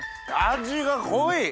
味が濃い！